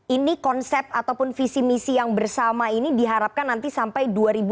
ini konsep ataupun visi misi yang bersama ini diharapkan nanti sampai dua ribu dua puluh